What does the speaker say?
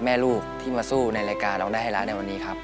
แม่ลูกที่มาสู้ในรายการร้องได้ให้ร้านในวันนี้ครับ